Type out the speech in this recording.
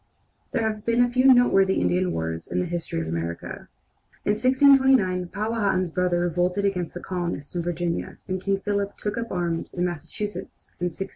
There have been but few noteworthy Indian wars in the history of America. In 1629 Powhatan's brother revolted against the colonists in Virginia, and King Philip took up arms in Massachusetts in 1675.